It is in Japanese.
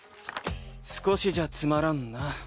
少しじゃつまらんな。